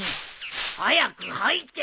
早く掃いて？